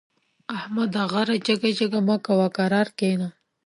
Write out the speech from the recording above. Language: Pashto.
احمده! غره جګه جګه مه کوه؛ کرار کېنه.